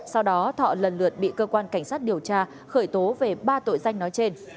sau đó thọ lần lượt bị cơ quan cảnh sát điều tra khởi tố về ba tội danh nói trên